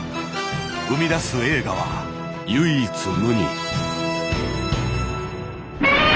生み出す映画は唯一無二。